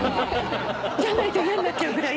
じゃないと嫌になっちゃうぐらい。